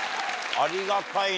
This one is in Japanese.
ありがたいね